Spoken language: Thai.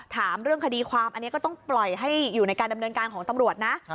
ถามเรื่องคดีความอันนี้ก็ต้องปล่อยให้อยู่ในการดำเนินการของตำรวจนะ